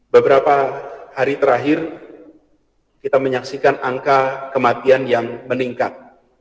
beberapa hari terakhir kita menyaksikan angka kematian yang meningkat